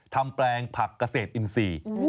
แปลงผักเกษตรอินทรีย์